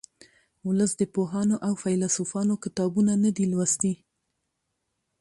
ولس د پوهانو او فیلسوفانو کتابونه نه دي لوستي